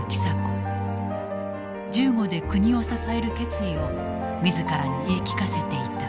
銃後で国を支える決意を自らに言い聞かせていた。